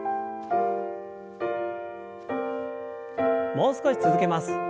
もう少し続けます。